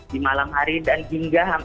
di malam hari dan hingga